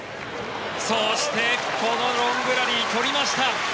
そして、このロングラリー取りました。